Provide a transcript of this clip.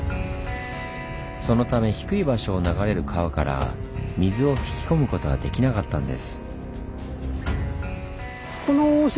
そのため低い場所を流れる川から水を引き込むことはできなかったんです。